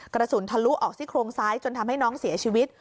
กระสุนทะลุออกซี่โครงซ้ายจนทำให้น้องเสียชีวิต